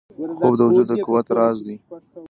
خوب د وجود د قوت راز دی